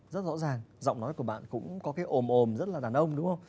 rất rõ ràng giọng nói của bạn cũng có cái ồm ồm rất là đàn ông đúng không